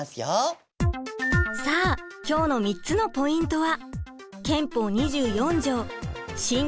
さあ今日の３つのポイントは。